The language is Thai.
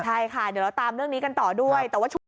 ใช่ค่ะเดี๋ยวเราตามเรื่องนี้กันต่อด้วย